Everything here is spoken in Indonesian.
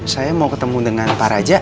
saya mau ketemu dengan para raja